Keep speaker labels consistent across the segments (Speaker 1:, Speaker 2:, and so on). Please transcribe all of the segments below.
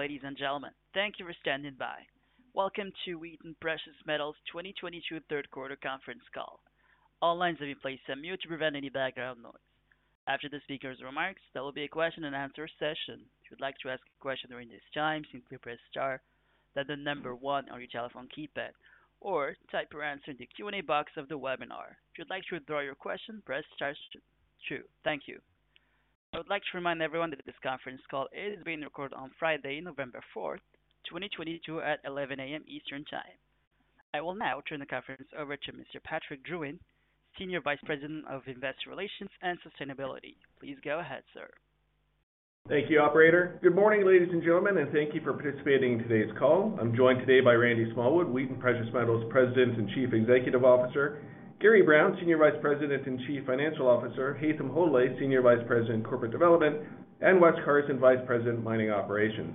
Speaker 1: Ladies and gentlemen, thank you for standing by. Welcome to Wheaton Precious Metals' 2022 third quarter conference call. All lines have been placed on mute to prevent any background noise. After the speaker's remarks, there will be a question and answer session. If you'd like to ask a question during this time, simply press star, then the number one on your telephone keypad, or type your answer in the Q&A box of the webinar. If you'd like to withdraw your question, press star two. Thank you. I would like to remind everyone that this conference call is being recorded on Friday, November 4th, 2022 at 11:00 A.M. Eastern Time. I will now turn the conference over to Mr. Patrick Drouin, Senior Vice President of Investor Relations and Sustainability. Please go ahead, sir.
Speaker 2: Thank you, operator. Good morning, ladies and gentlemen, and thank you for participating in today's call. I'm joined today by Randy Smallwood, Wheaton Precious Metals President and Chief Executive Officer, Gary Brown, Senior Vice President and Chief Financial Officer, Haytham Hodaly, Senior Vice President, Corporate Development, and Wes Carson, Vice President, Mining Operations.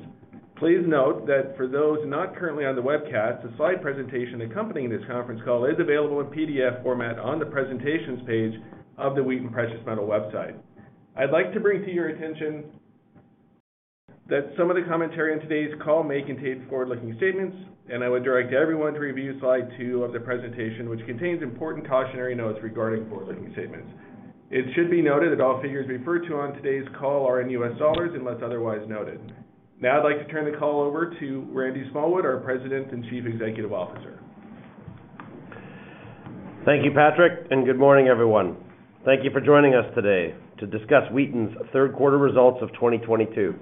Speaker 2: Please note that for those not currently on the webcast, the slide presentation accompanying this conference call is available in PDF format on the presentations page of the Wheaton Precious Metals website. I'd like to bring to your attention that some of the commentary on today's call may contain forward-looking statements, and I would direct everyone to review slide two of the presentation, which contains important cautionary notes regarding forward-looking statements. It should be noted that all figures referred to on today's call are in U.S. dollars unless otherwise noted. Now I'd like to turn the call over to Randy Smallwood, our President and Chief Executive Officer.
Speaker 3: Thank you, Patrick, and good morning, everyone. Thank you for joining us today to discuss Wheaton's third quarter results of 2022.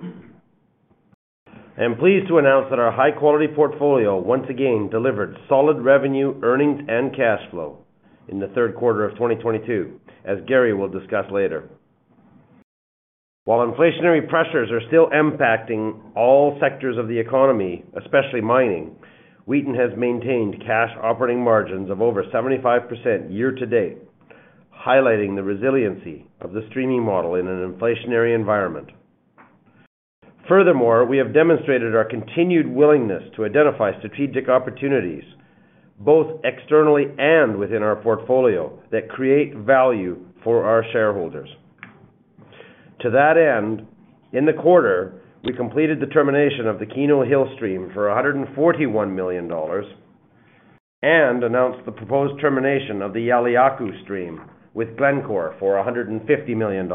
Speaker 3: I am pleased to announce that our high-quality portfolio once again delivered solid revenue, earnings, and cash flow in the third quarter of 2022, as Gary will discuss later. While inflationary pressures are still impacting all sectors of the economy, especially mining, Wheaton has maintained cash operating margins of over 75% year to date, highlighting the resiliency of the streaming model in an inflationary environment. Furthermore, we have demonstrated our continued willingness to identify strategic opportunities, both externally and within our portfolio that create value for our shareholders. To that end, in the quarter, we completed the termination of the Keno Hill stream for $141 million and announced the proposed termination of the Yauliyacu stream with Glencore for $150 million.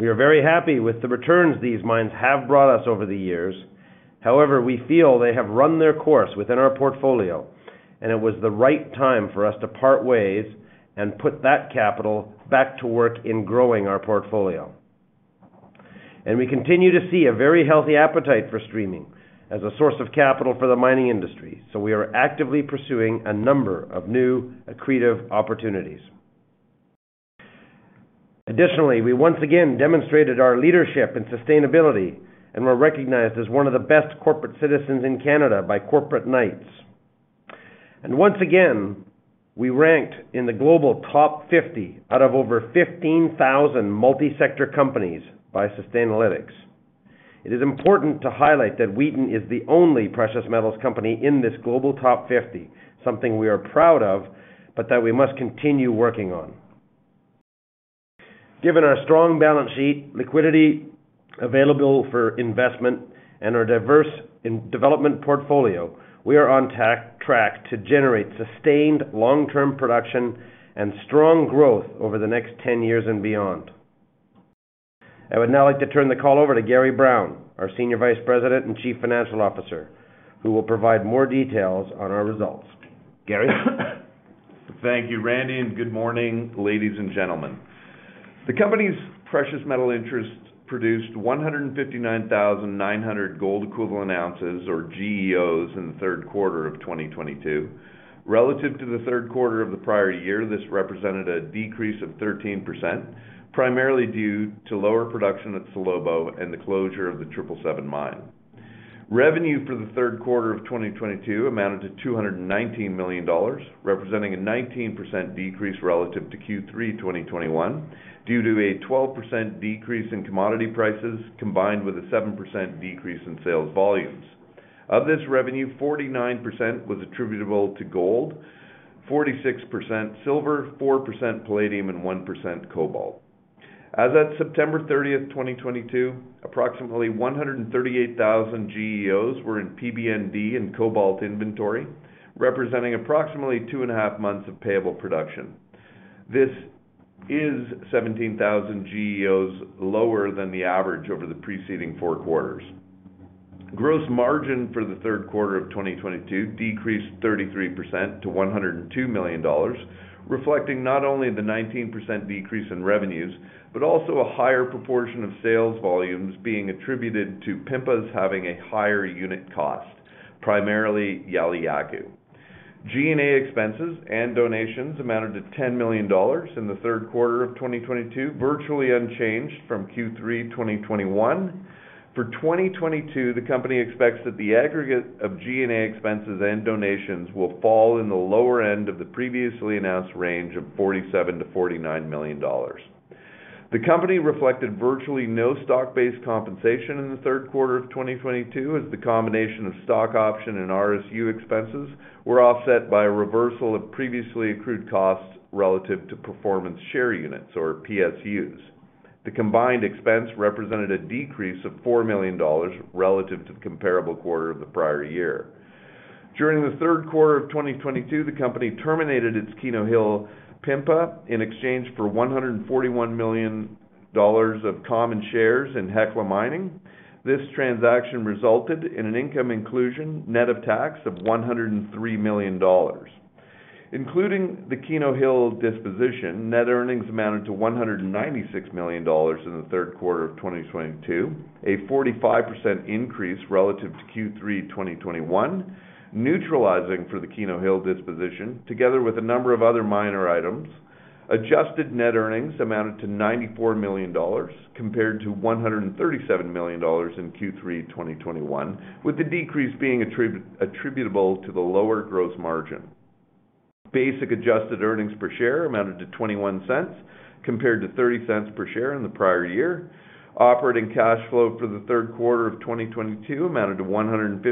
Speaker 3: We are very happy with the returns these mines have brought us over the years. However, we feel they have run their course within our portfolio, and it was the right time for us to part ways and put that capital back to work in growing our portfolio. We continue to see a very healthy appetite for streaming as a source of capital for the mining industry, so we are actively pursuing a number of new accretive opportunities. Additionally, we once again demonstrated our leadership and sustainability and were recognized as one of the best corporate citizens in Canada by Corporate Knights. Once again, we ranked in the Global Top Fifty out of over 15,000 multi-sector companies by Sustainalytics. It is important to highlight that Wheaton is the only precious metals company in this Global Top Fifty, something we are proud of, but that we must continue working on. Given our strong balance sheet, liquidity available for investment, and our diverse in-development portfolio, we are on track to generate sustained long-term production and strong growth over the next 10 years and beyond. I would now like to turn the call over to Gary Brown, our Senior Vice President and Chief Financial Officer, who will provide more details on our results. Gary?
Speaker 4: Thank you, Randy, and good morning, ladies and gentlemen. The company's precious metal interest produced 159,900 gold equivalent ounces or GEOs in the third quarter of 2022. Relative to the third quarter of the prior year, this represented a decrease of 13%, primarily due to lower production at Salobo and the closure of the 777 Mine. Revenue for the third quarter of 2022 amounted to $219 million, representing a 19% decrease relative to Q3 2021 due to a 12% decrease in commodity prices, combined with a 7% decrease in sales volumes. Of this revenue, 49% was attributable to gold, 46% silver, 4% palladium, and 1% cobalt. As of September 30th, 2022, approximately 138,000 GEOs were in PBND and cobalt inventory, representing approximately two and a half months of payable production. This is 17,000 GEOs lower than the average over the preceding four quarters. Gross margin for the third quarter of 2022 decreased 33% to $102 million, reflecting not only the 19% decrease in revenues, but also a higher proportion of sales volumes being attributed to PMPAs having a higher unit cost, primarily Yauliyacu. G&A expenses and donations amounted to $10 million in the third quarter of 2022, virtually unchanged from Q3 2021. For 2022, the company expects that the aggregate of G&A expenses and donations will fall in the lower end of the previously announced range of $47 million-$49 million. The company reflected virtually no stock-based compensation in the third quarter of 2022 as the combination of stock option and RSU expenses were offset by a reversal of previously accrued costs relative to performance share units or PSUs. The combined expense represented a decrease of $4 million relative to the comparable quarter of the prior year. During the third quarter of 2022, the company terminated its Keno Hill PMPA in exchange for $141 million of common shares in Hecla Mining Company. This transaction resulted in an income inclusion net of tax of $103 million. Including the Keno Hill disposition, net earnings amounted to $196 million in the third quarter of 2022, a 45% increase relative to Q3 2021. Neutralizing for the Keno Hill disposition, together with a number of other minor items, adjusted net earnings amounted to $94 million compared to $137 million in Q3 2021, with the decrease being attributable to the lower gross margin. Basic adjusted earnings per share amounted to $0.21 compared to $0.30 per share in the prior year. Operating cash flow for the third quarter of 2022 amounted to $154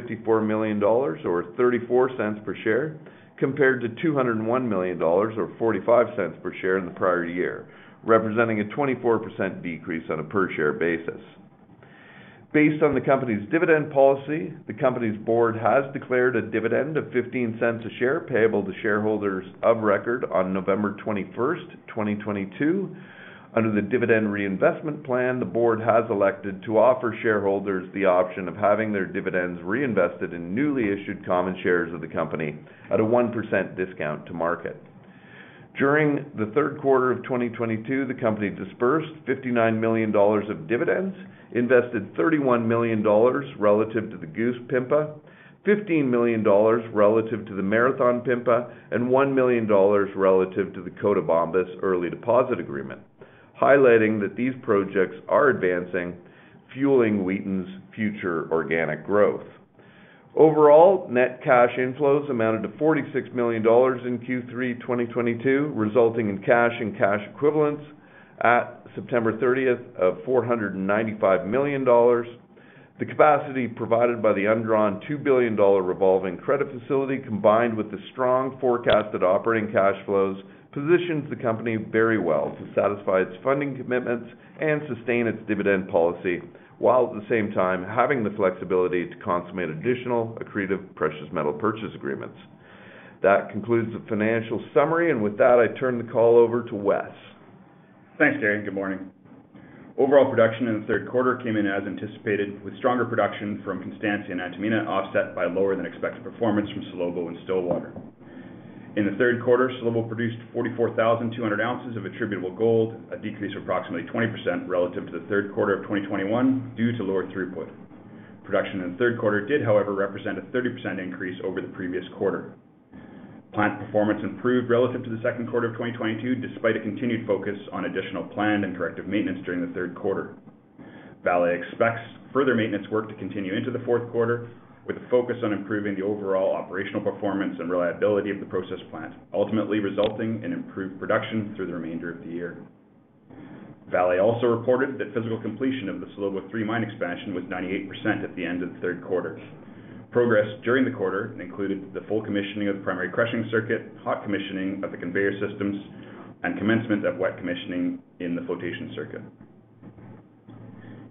Speaker 4: million or $0.34 per share compared to $201 million or $0.45 per share in the prior year, representing a 24% decrease on a per share basis. Based on the company's dividend policy, the company's board has declared a dividend of $0.15 per share payable to shareholders of record on November 21st, 2022. Under the dividend reinvestment plan, the board has elected to offer shareholders the option of having their dividends reinvested in newly issued common shares of the company at a 1% discount to market. During the third quarter of 2022, the company dispersed $59 million of dividends, invested $31 million relative to the Goose PMPA, $15 million relative to the Marathon PMPA, and $1 million relative to the Cotabambas early deposit agreement, highlighting that these projects are advancing, fueling Wheaton's future organic growth. Overall, net cash inflows amounted to $46 million in Q3 2022, resulting in cash and cash equivalents at September 30th of $495 million. The capacity provided by the undrawn $2 billion revolving credit facility, combined with the strong forecasted operating cash flows, positions the company very well to satisfy its funding commitments and sustain its dividend policy while at the same time having the flexibility to consummate additional accretive precious metal purchase agreements. That concludes the financial summary. With that, I turn the call over to Wes.
Speaker 5: Thanks, Gary. Good morning. Overall production in the third quarter came in as anticipated, with stronger production from Constancia and Antamina offset by lower than expected performance from Salobo and Stillwater. In the third quarter, Salobo produced 44,200 ounces of attributable gold, a decrease of approximately 20% relative to the third quarter of 2021 due to lower throughput. Production in the third quarter did, however, represent a 30% increase over the previous quarter. Plant performance improved relative to the second quarter of 2022 despite a continued focus on additional planned and directive maintenance during the third quarter. Vale expects further maintenance work to continue into the fourth quarter, with a focus on improving the overall operational performance and reliability of the process plant, ultimately resulting in improved production through the remainder of the year. Vale also reported that physical completion of the Salobo three mine expansion was 98% at the end of the third quarter. Progress during the quarter included the full commissioning of the primary crushing circuit, hot commissioning of the conveyor systems, and commencement of wet commissioning in the flotation circuit.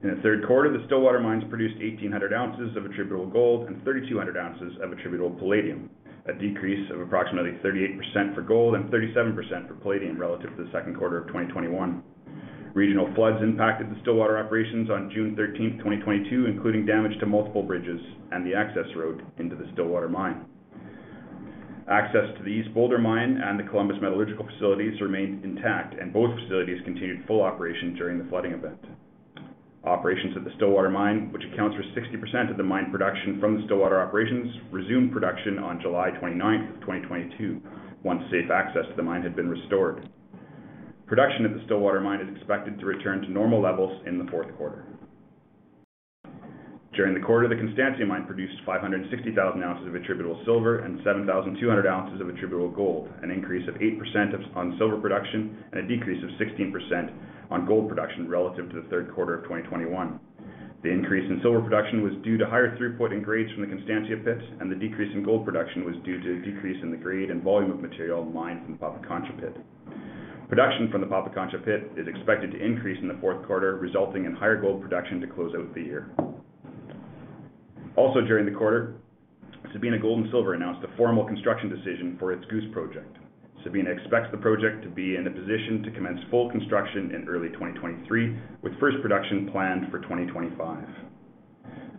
Speaker 5: In the third quarter, the Stillwater Mine produced 1,800 ounces of attributable gold and 3,200 ounces of attributable palladium, a decrease of approximately 38% for gold and 37% for palladium relative to the second quarter of 2021. Regional floods impacted the Stillwater operations on June 13th, 2022, including damage to multiple bridges and the access road into the Stillwater Mine. Access to the East Boulder Mine and the Columbus Metallurgical Facilities remained intact, and both facilities continued full operation during the flooding event. Operations at the Stillwater Mine, which accounts for 60% of the mine production from the Stillwater operations, resumed production on July 29th, 2022 once safe access to the mine had been restored. Production at the Stillwater Mine is expected to return to normal levels in the fourth quarter. During the quarter, the Constancia Mine produced 560,000 ounces of attributable silver and 7,200 ounces of attributable gold, an increase of 8% on silver production and a decrease of 16% on gold production relative to the third quarter of 2021. The increase in silver production was due to higher throughput in grades from the Constancia pits, and the decrease in gold production was due to a decrease in the grade and volume of material mined from the Pampacancha pit. Production from the Pampacancha pit is expected to increase in the fourth quarter, resulting in higher gold production to close out the year. Also during the quarter, Sabina Gold & Silver announced a formal construction decision for its Goose project. Sabina expects the project to be in a position to commence full construction in early 2023, with first production planned for 2025.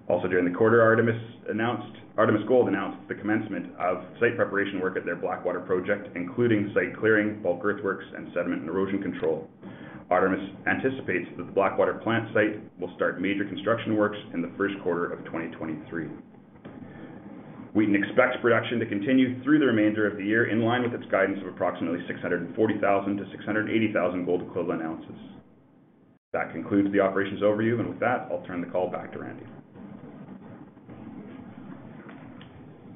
Speaker 5: Also during the quarter, Artemis Gold announced the commencement of site preparation work at their Blackwater project, including site clearing, bulk earthworks, and sediment and erosion control. Artemis anticipates that the Blackwater plant site will start major construction works in the first quarter of 2023. Wheaton expects production to continue through the remainder of the year in line with its guidance of approximately 640,000-680,000 gold equivalent ounces. That concludes the operations overview. With that, I'll turn the call back to Randy.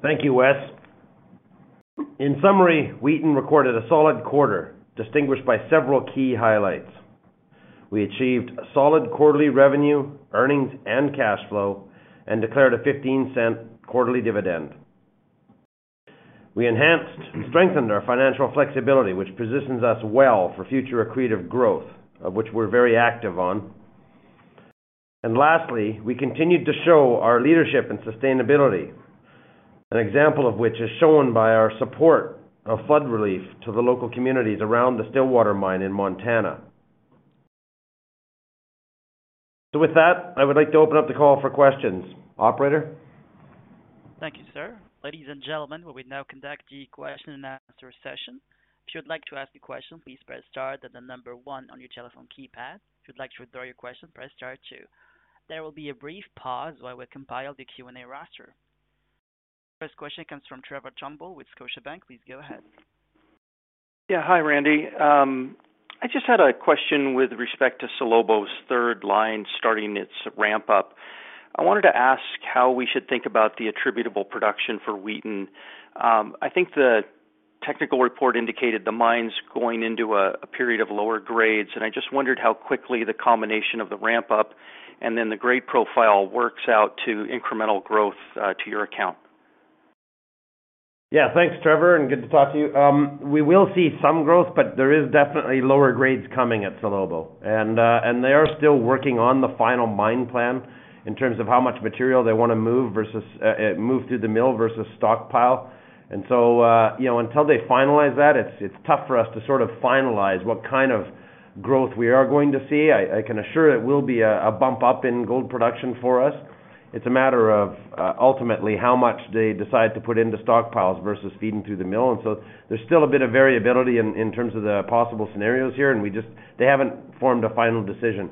Speaker 3: Thank you, Wes. In summary, Wheaton recorded a solid quarter distinguished by several key highlights. We achieved a solid quarterly revenue, earnings, and cash flow and declared a $0.15 quarterly dividend. We enhanced and strengthened our financial flexibility, which positions us well for future accretive growth, of which we're very active on. Lastly, we continued to show our leadership and sustainability. An example of which is shown by our support of flood relief to the local communities around the Stillwater Mine in Montana. With that, I would like to open up the call for questions. Operator?
Speaker 1: Thank you, sir. Ladies and gentlemen, we will now conduct the question and answer session. If you'd like to ask a question, please press star, then the number one on your telephone keypad. If you'd like to withdraw your question, press star two. There will be a brief pause while we compile the Q&A roster. First question comes from Trevor Turnbull with Scotiabank. Please go ahead.
Speaker 6: Yeah. Hi, Randy. I just had a question with respect to Salobo's third line starting its ramp up. I wanted to ask how we should think about the attributable production for Wheaton. I think the technical report indicated the mine's going into a period of lower grades, and I just wondered how quickly the combination of the ramp up and then the grade profile works out to incremental growth to your account.
Speaker 3: Yeah. Thanks, Trevor, and good to talk to you. We will see some growth, but there is definitely lower grades coming at Salobo. They are still working on the final mine plan in terms of how much material they wanna move versus move through the mill versus stockpile. You know, until they finalize that, it's tough for us to sort of finalize what kind of growth we are going to see. I can assure it will be a bump up in gold production for us. It's a matter of ultimately how much they decide to put into stockpiles versus feeding through the mill. There's still a bit of variability in terms of the possible scenarios here, and they haven't formed a final decision.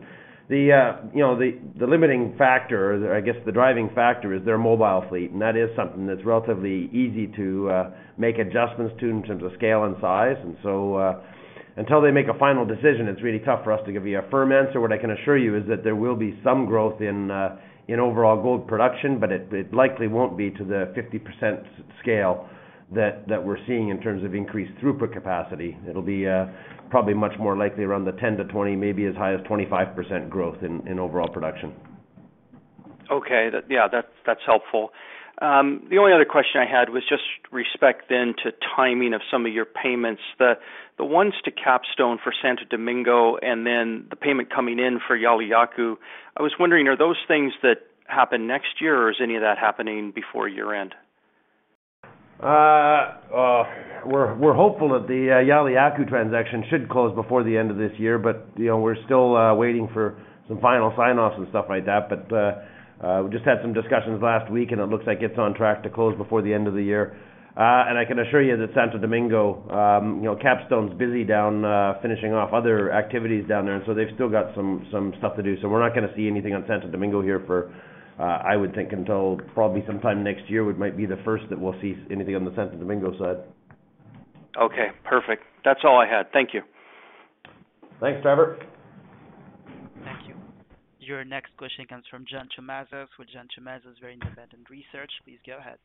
Speaker 3: The limiting factor or I guess the driving factor is their mobile fleet, and that is something that's relatively easy to make adjustments to in terms of scale and size. Until they make a final decision, it's really tough for us to give you a firm answer. What I can assure you is that there will be some growth in overall gold production, but it likely won't be to the 50% scale that we're seeing in terms of increased throughput capacity. It'll be probably much more likely around the 10%-20%, maybe as high as 25% growth in overall production.
Speaker 6: Okay. Yeah, that's helpful. The only other question I had was just with respect to timing of some of your payments. The ones to Capstone for Santo Domingo and then the payment coming in for Yauliyacu, I was wondering, are those things that happen next year, or is any of that happening before year-end?
Speaker 3: We're hopeful that the Yauliyacu transaction should close before the end of this year, but you know, we're still waiting for some final sign-offs and stuff like that. We just had some discussions last week, and it looks like it's on track to close before the end of the year. I can assure you that Santo Domingo, you know, Capstone's busy down finishing off other activities down there, and so they've still got some stuff to do. We're not gonna see anything on Santo Domingo here for I would think until probably sometime next year; it might be the first that we'll see anything on the Santo Domingo side.
Speaker 6: Okay. Perfect. That's all I had. Thank you.
Speaker 3: Thanks, Trevor.
Speaker 1: Thank you. Your next question comes from John Tumazos with John Tumazos Very Independent Research. Please go ahead.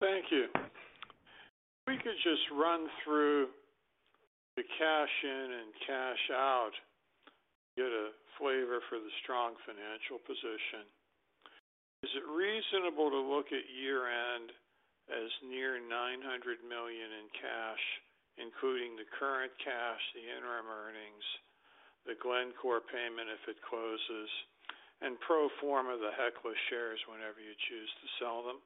Speaker 7: Thank you. If we could just run through the cash in and cash out to get a flavor for the strong financial position. Is it reasonable to look at year-end as near $900 million in cash, including the current cash, the interim earnings, the Glencore payment if it closes, and pro forma the Hecla shares whenever you choose to sell them?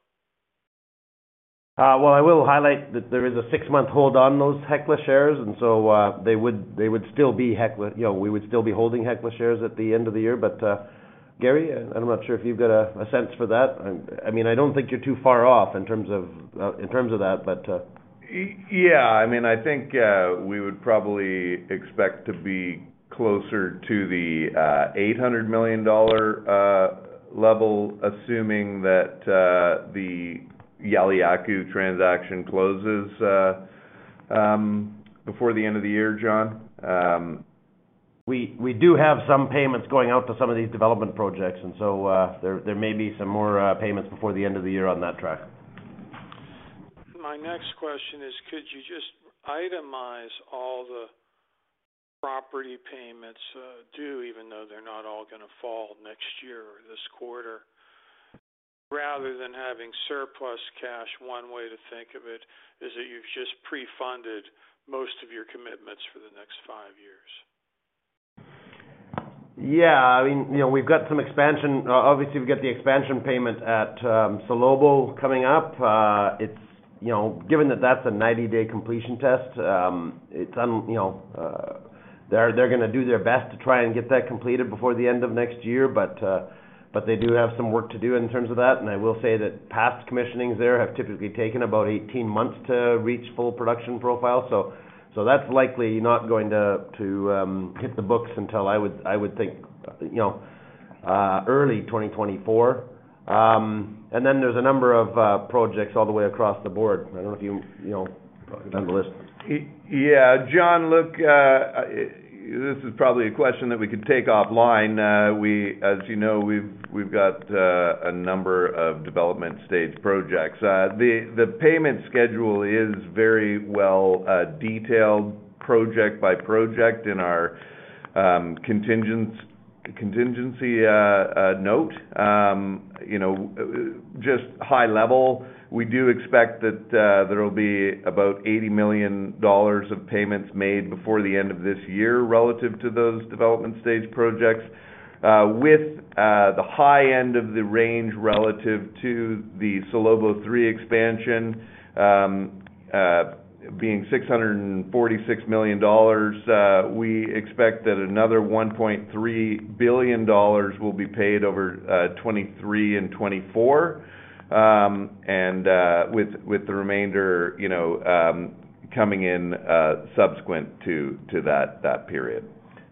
Speaker 3: Well, I will highlight that there is a six-month hold on those Hecla shares, and so they would still be Hecla. You know, we would still be holding Hecla shares at the end of the year. Gary, I'm not sure if you've got a sense for that. I mean, I don't think you're too far off in terms of that.
Speaker 4: Yeah. I mean, I think we would probably expect to be closer to the $800 million level, assuming that the Yauliyacu transaction closes before the end of the year, John.
Speaker 3: We do have some payments going out to some of these development projects and so there may be some more payments before the end of the year on that track.
Speaker 7: My next question is, could you just itemize all the property payments, due, even though they're not all gonna fall next year or this quarter? Rather than having surplus cash, one way to think of it is that you've just pre-funded most of your commitments for the next five years.
Speaker 3: Yeah. I mean, you know, we've got some expansion. Obviously, we've got the expansion payment at Salobo coming up. It's, you know, given that that's a 90-day completion test, it's you know, they're gonna do their best to try and get that completed before the end of next year, but they do have some work to do in terms of that. I will say that past commissionings there have typically taken about 18 months to reach full production profile. That's likely not going to hit the books until I would think, you know, early 2024. And then there's a number of projects all the way across the board. I don't know if you know, have the list.
Speaker 4: Yeah. John, look, this is probably a question that we could take offline. As you know, we've got a number of development stage projects. The payment schedule is very well detailed project by project in our contingency note, you know, just high level, we do expect that there will be about $80 million of payments made before the end of this year relative to those development stage projects, with the high end of the range relative to the Salobo 3 expansion being $646 million. We expect that another $1.3 billion will be paid over 2023 and 2024, with the remainder, you know, coming in subsequent to that period.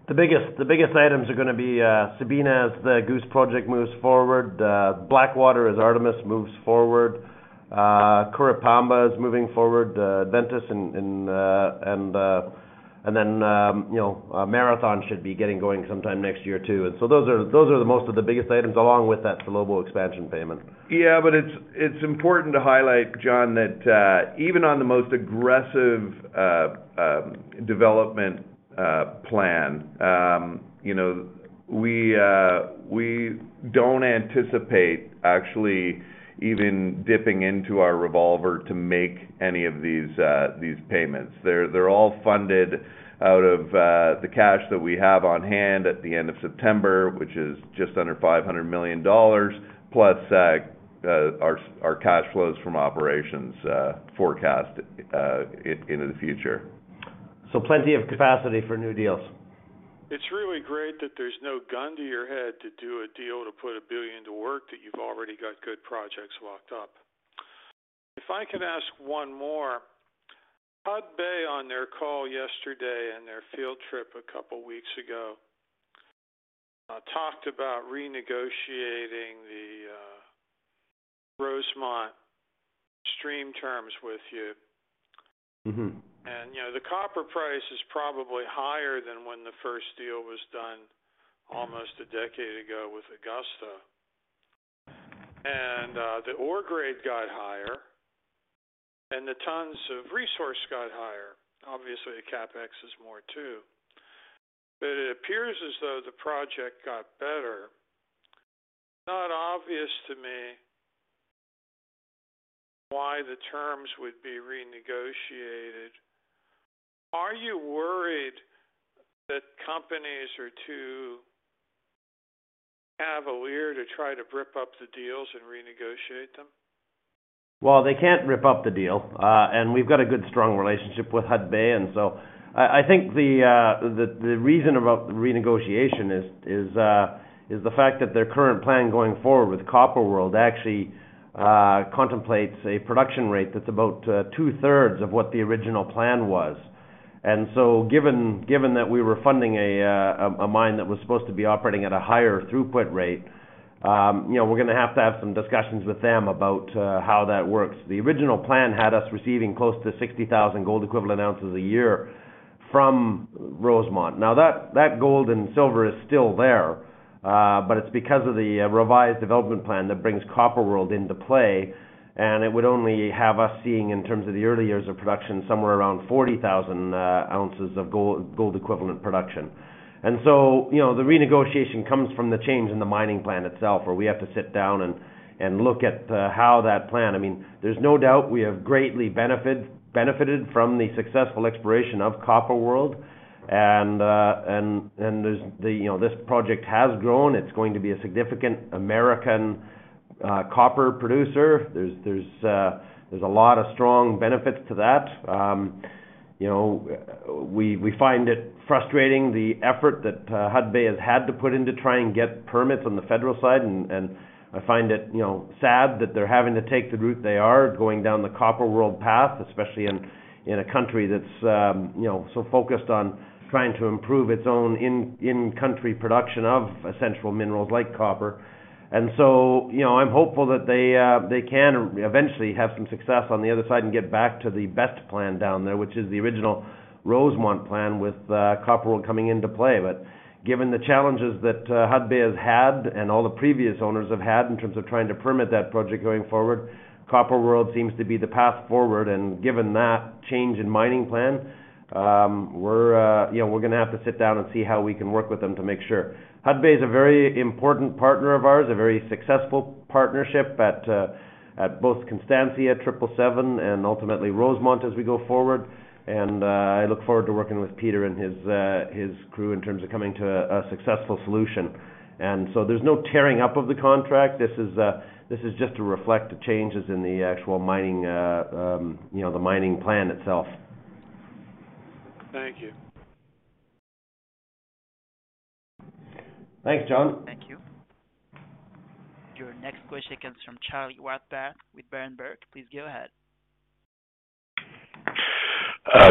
Speaker 3: The biggest items are gonna be Sabina as the Goose project moves forward. Blackwater as Artemis moves forward. Curipamba is moving forward, Ventis and then, you know, Marathon should be getting going sometime next year, too. Those are the most of the biggest items along with that Salobo expansion payment.
Speaker 4: Yeah. It's important to highlight, John, that even on the most aggressive development plan, you know, we don't anticipate actually even dipping into our revolver to make any of these payments. They're all funded out of the cash that we have on hand at the end of September, which is just under $500 million, plus our cash flows from operations forecast into the future.
Speaker 3: Plenty of capacity for new deals.
Speaker 7: It's really great that there's no gun to your head to do a deal to put $1 billion to work that you've already got good projects locked up. If I can ask one more. Hudbay on their call yesterday and their field trip a couple weeks ago talked about renegotiating the Rosemont stream terms with you.
Speaker 3: Mm-hmm.
Speaker 7: You know, the copper price is probably higher than when the first deal was done almost a decade ago with Augusta. The ore grade got higher, and the tons of resource got higher. Obviously, the CapEx is more, too. It appears as though the project got better. Not obvious to me why the terms would be renegotiated. Are you worried that companies are too cavalier to try to rip up the deals and renegotiate them?
Speaker 3: Well, they can't rip up the deal. We've got a good, strong relationship with Hudbay. I think the reason about the renegotiation is the fact that their current plan going forward with Copper World actually contemplates a production rate that's about two-thirds of what the original plan was. Given that we were funding a mine that was supposed to be operating at a higher throughput rate, you know, we're gonna have to have some discussions with them about how that works. The original plan had us receiving close to 60,000 gold equivalent ounces a year from Rosemont. Now that gold and silver is still there, but it's because of the revised development plan that brings Copper World into play, and it would only have us seeing in terms of the early years of production, somewhere around 40,000 ounces of gold equivalent production. You know, the renegotiation comes from the change in the mining plan itself, where we have to sit down and look at how that plan. I mean, there's no doubt we have greatly benefited from the successful exploration of Copper World. You know, this project has grown. It's going to be a significant American copper producer. There's a lot of strong benefits to that. You know, we find it frustrating, the effort that Hudbay has had to put in to try and get permits on the federal side. I find it, you know, sad that they're having to take the route they are going down the Copper World path, especially in a country that's, you know, so focused on trying to improve its own in-country production of essential minerals like copper. You know, I'm hopeful that they can eventually have some success on the other side and get back to the best plan down there, which is the original Rosemont plan with Copper World coming into play. Given the challenges that Hudbay has had and all the previous owners have had in terms of trying to permit that project going forward, Copper World seems to be the path forward. Given that change in mining plan, we're, you know, we're gonna have to sit down and see how we can work with them to make sure. Hudbay is a very important partner of ours, a very successful partnership at both Constancia, 777, and ultimately Rosemont as we go forward. I look forward to working with Peter and his crew in terms of coming to a successful solution. There's no tearing up of the contract. This is just to reflect the changes in the actual mining, the mining plan itself.
Speaker 7: Thank you.
Speaker 3: Thanks, John.
Speaker 1: Thank you. Your next question comes from Charlie Rothbarth with Berenberg. Please go ahead.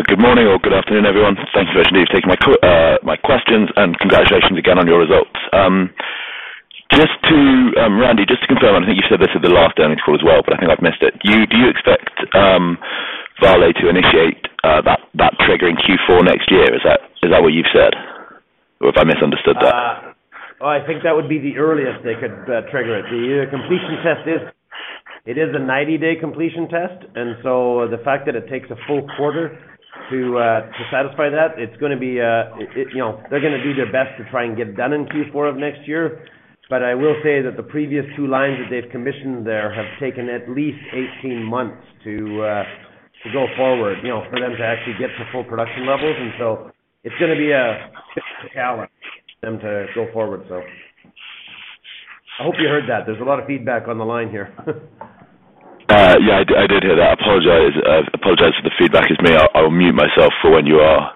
Speaker 8: Good morning or good afternoon, everyone. Thanks very much indeed for taking my questions, and congratulations again on your results. Randy, just to confirm, and I think you said this at the last earnings call as well, but I think I've missed it. Do you expect Vale to initiate that trigger in Q4 next year? Is that what you've said? Or have I misunderstood that?
Speaker 3: I think that would be the earliest they could trigger it. The unit completion test is a 90-day completion test, and the fact that it takes a full quarter to satisfy that, it's gonna be, you know, they're gonna do their best to try and get done in Q4 of next year. I will say that the previous two lines that they've commissioned there have taken at least 18 months to go forward, you know, for them to actually get to full production levels. It's gonna be a challenge for them to go forward. I hope you heard that. There's a lot of feedback on the line here.
Speaker 8: Yeah, I did hear that. I apologize for the feedback. It's me. I'll mute myself for when you are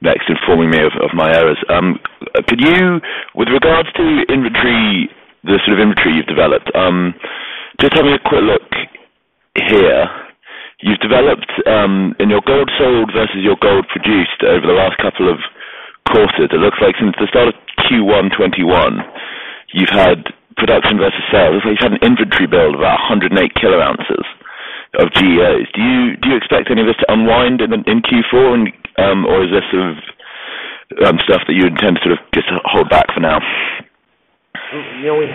Speaker 8: next informing me of my errors. With regards to inventory, the sort of inventory you've developed, just having a quick look here. You've developed in your gold sold versus your gold produced over the last couple of quarters. It looks like since the start of Q1 2021, you've had production versus sales. You've had an inventory build of 108 kilo ounces of GEOs. Do you expect any of this to unwind in Q4, or is this stuff that you intend to sort of just hold back for now?
Speaker 3: You know, we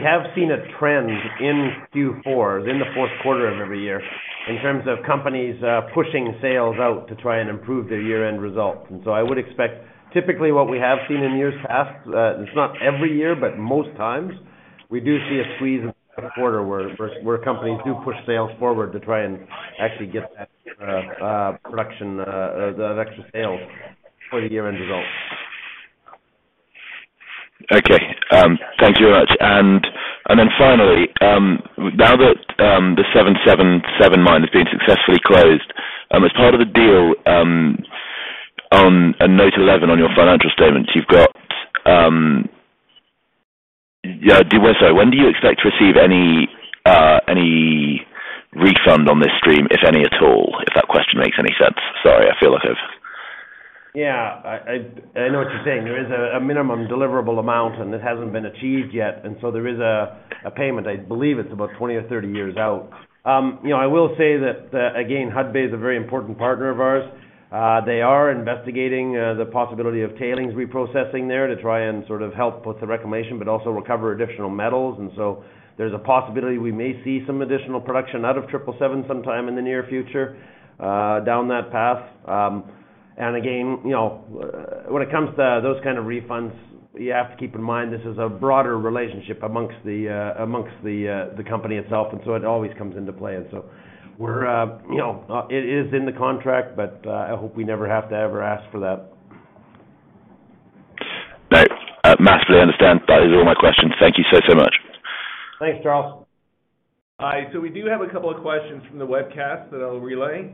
Speaker 3: have seen a trend in Q4, within the fourth quarter of every year, in terms of companies pushing sales out to try and improve their year-end results. I would expect typically what we have seen in years past. It's not every year, but most times we do see a squeeze of the quarter where companies do push sales forward to try and actually get that production the extra sales for the year-end results.
Speaker 8: Okay. Thank you very much. Then finally, now that the 777 mine has been successfully closed, as part of the deal, on note 11 on your financial statements, you've got. Yeah, sorry. When do you expect to receive any refund on this stream, if any at all? If that question makes any sense. Sorry, I feel I have-
Speaker 3: Yeah. I know what you're saying. There is a minimum deliverable amount, and it hasn't been achieved yet. There is a payment. I believe it's about 20 years or 30 years out. You know, I will say that again, Hudbay is a very important partner of ours. They are investigating the possibility of tailings reprocessing there to try and sort of help with the reclamation, but also recover additional metals. There's a possibility we may see some additional production out of 777 sometime in the near future, down that path. And again, you know, when it comes to those kind of refunds, you have to keep in mind this is a broader relationship amongst the company itself, and so it always comes into play. We're you know. It is in the contract, but I hope we never have to ever ask for that.
Speaker 8: No. I absolutely understand. That is all my questions. Thank you so much.
Speaker 3: Thanks, Charles.
Speaker 2: Hi. We do have a couple of questions from the webcast that I'll relay.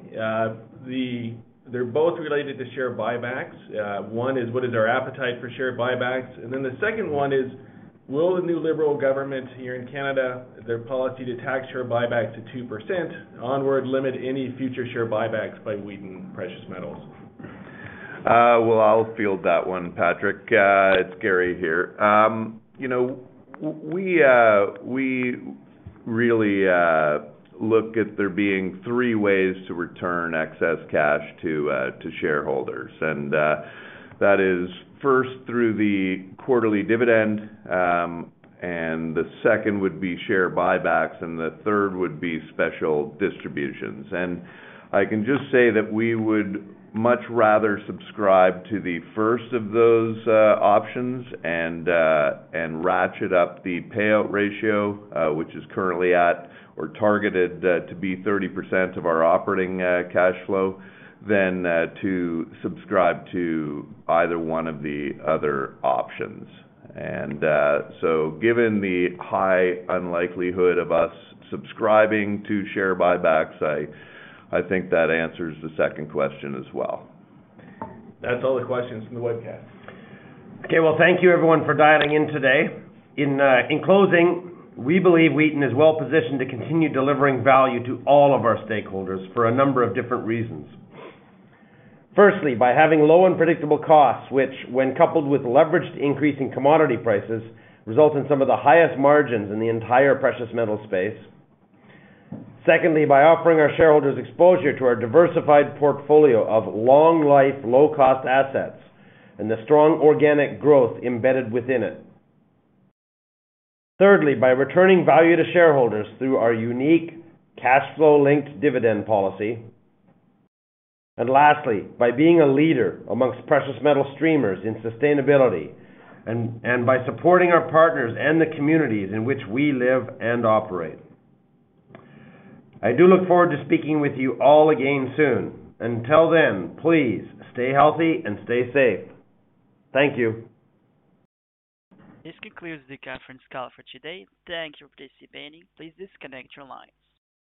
Speaker 2: They're both related to share buybacks. One is, what is our appetite for share buybacks? The second one is, will the new liberal government here in Canada, their policy to tax share buybacks to 2% onward, limit any future share buybacks by Wheaton Precious Metals?
Speaker 4: Well, I'll field that one, Patrick. It's Gary here. You know, we really look at there being three ways to return excess cash to shareholders. That is first through the quarterly dividend, and the second would be share buybacks, and the third would be special distributions. I can just say that we would much rather subscribe to the first of those options and ratchet up the payout ratio, which is currently at or targeted to be 30% of our operating cash flow, than to subscribe to either one of the other options. Given the high unlikelihood of us subscribing to share buybacks, I think that answers the second question as well.
Speaker 2: That's all the questions from the webcast.
Speaker 3: Okay. Well, thank you everyone for dialing in today. In closing, we believe Wheaton is well positioned to continue delivering value to all of our stakeholders for a number of different reasons. Firstly, by having low and predictable costs, which when coupled with leveraged increase in commodity prices, result in some of the highest margins in the entire precious metal space. Secondly, by offering our shareholders exposure to our diversified portfolio of long life, low cost assets, and the strong organic growth embedded within it. Thirdly, by returning value to shareholders through our unique cash flow linked dividend policy. Lastly, by being a leader amongst precious metal streamers in sustainability and by supporting our partners and the communities in which we live and operate. I do look forward to speaking with you all again soon. Until then, please stay healthy and stay safe. Thank you.
Speaker 1: This concludes the conference call for today. Thank you for participating. Please disconnect your lines.